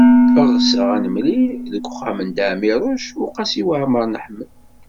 Ɣseɣ ad nemlil deg uxxam n Dda Ɛmiiruc u Qasi Waɛmer n Ḥmed.